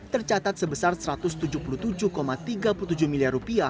tercatat sebesar rp satu ratus tujuh puluh tujuh tiga puluh tujuh miliar